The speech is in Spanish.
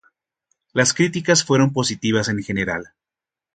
Las críticas fueron positivas en general.